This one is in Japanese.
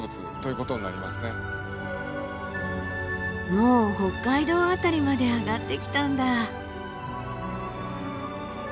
もう北海道辺りまで上がってきたんだ。